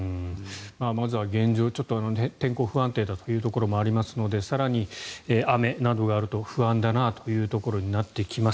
まずは現状天候、不安定だというところもありますので更に雨などがあると不安だなとなってきます。